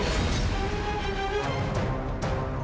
assalamualaikum warahmatullahi wabarakatuh